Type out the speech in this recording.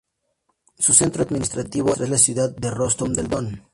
Su centro administrativo es la ciudad de Rostov del Don.